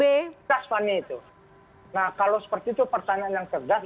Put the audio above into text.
nah kalau seperti itu pertanyaan yang cerdas